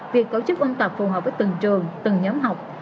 việc tổ chức ôn tập phù hợp với từng trường từng nhóm học